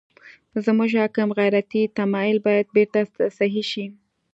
زموږ حاکم غیرتي تمایل باید بېرته تصحیح شي.